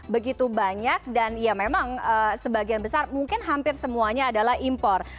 begitu banyak dan ya memang sebagian besar mungkin hampir semuanya adalah impor